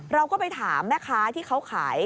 เราก็ไปถามแม่ค้าที่เขาขาย